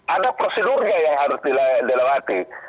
ada prosedurnya yang harus dilewati